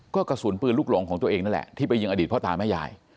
ก็กระสุนปืนลูกหลงของตัวเองนั่นแหละที่ไปยิงอดีตพ่อตาแม่ยาย